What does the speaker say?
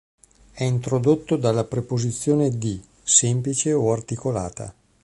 È introdotto dalla preposizione di, semplice o articolata.